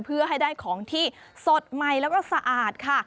เพื่อให้ได้ของที่สดใหม่แล้วก็สะอาดค่ะ